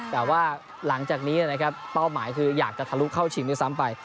แต่ว่าหลังจากนี้นะครับเป้าหมายคืออยากจะทะลุเข้าชิงด้วยซ้ำไป